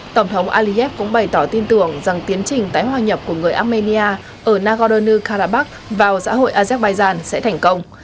tổng thống aliyev cũng bày tỏ tin tưởng rằng tiến trình tái hoa nhập của người armenia ở nagorno karabakh vào xã hội azek bayzan sẽ thành công